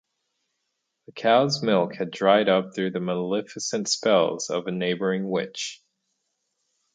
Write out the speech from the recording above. The cow’s milk had dried up through the maleficent spells of a neighboring witch.